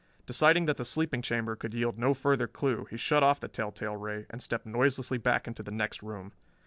Deciding that the sleeping chamber could yield no further clue he shut off the tell tale ray and stepped noiselessly back into the next room.